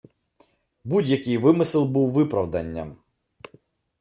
Будь-який вимисел був виправданням